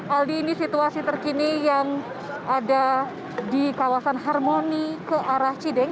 aldi ini situasi terkini yang ada di kawasan harmoni ke arah cideng